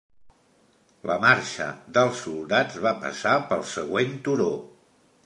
La marxa dels soldats va passar pel següent turó.